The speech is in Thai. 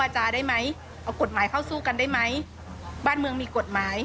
ที่มันก็มีเรื่องที่ดิน